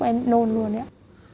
em nôn luôn ấy ạ